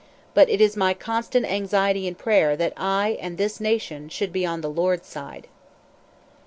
But it is my constant anxiety and prayer that I and this nation should be on the Lord's side."